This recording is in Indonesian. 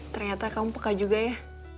ternyata kamu peka juga ya